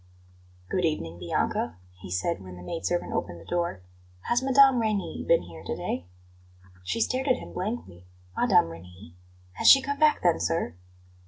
"Good evening, Bianca," he said when the maid servant opened the door. "Has Mme. Reni been here to day?" She stared at him blankly "Mme. Reni? Has she come back, then, sir?"